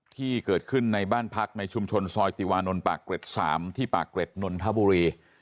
ที่เกิดขึ้นในบ้านพักในชุมชนซอยติวานนท์ปากเกร็ด๓ที่ปากเกร็ดนนทบุรี